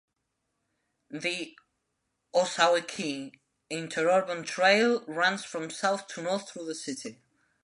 The Ozaukee Interurban Trail runs for south to north through the city.